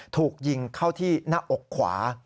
ถูกยิงเข้าที่หน้าอกขวา